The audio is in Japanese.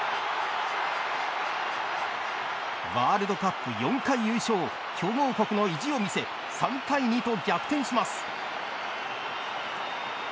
ワールドカップ４回優勝強豪国の意地を見せ３対２と逆転します。